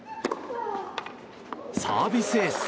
サービスエース！